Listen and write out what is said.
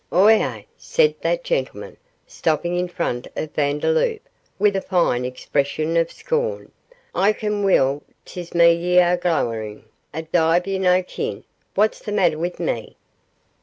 'Ou, ay,' said that gentleman, stopping in front of Vandeloup, with a fine expression of scorn. 'I ken weel 'tis me ye are glowerin' at div ye no' ken what's the matter wi' me?